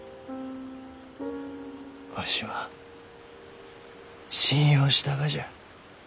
わしは信用したがじゃ。